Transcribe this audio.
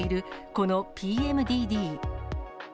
このＰＭＤＤ。